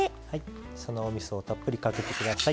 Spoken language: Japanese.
そのおみそをたっぷりかけて下さい。